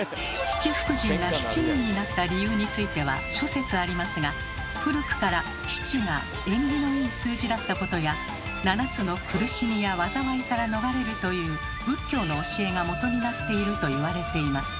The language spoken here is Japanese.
七福神が７人になった理由については諸説ありますが古くから「７」が縁起のいい数字だったことや七つの苦しみや災いから逃れるという仏教の教えが基になっているといわれています。